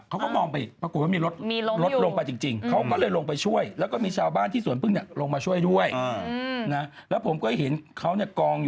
เค้าก็มองไปปรากฎว่ามีรถลงจริง